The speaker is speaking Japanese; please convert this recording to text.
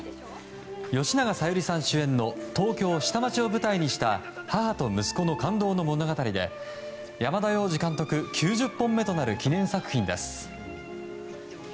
吉永小百合さん主演の東京・下町を舞台にした母と息子の感動の物語で山田洋次監督９０本目となる記念作品です。